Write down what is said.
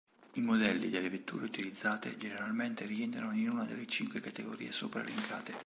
I modelli delle vetture utilizzate generalmente rientrano in una delle cinque categorie sopra elencate.